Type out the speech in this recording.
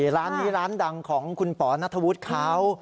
ร้านนี้ร้านดังของคุณป๋อนัทธวุฒิเขา